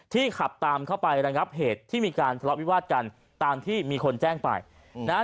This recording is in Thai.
ขับตามเข้าไประงับเหตุที่มีการทะเลาะวิวาสกันตามที่มีคนแจ้งไปนะฮะ